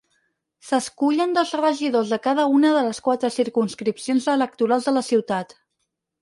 S'escullen dos regidors de cada una de les quatre circumscripcions electorals de la ciutat.